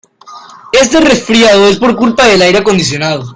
Este resfriado es por culpa del aire acondicionado.